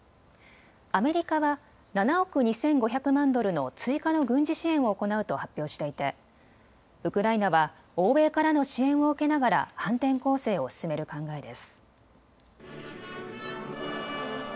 アメリカは７億２５００万ドルの追加の軍事支援を行うと発表していてウクライナは欧米からの支援を受けながら反転攻勢を進める考えです。